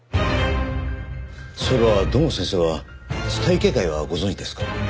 そういえば堂本先生は蔦池会はご存じですか？